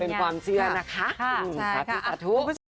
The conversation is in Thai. เป็นความเชื่อนะคะ